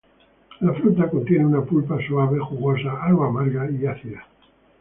La fruta contiene una pulpa suave, jugosa, algo amarga y ácida.